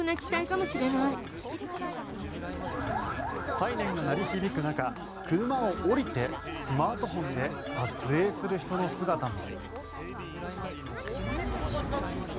サイレンが鳴り響く中車を降りてスマートフォンで撮影する人の姿も。